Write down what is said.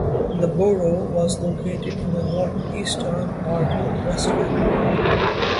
The borough was located in the northeastern part of the West Island.